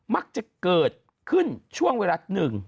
มักจะเกิดขึ้นช่วงเวลาหนึ่ง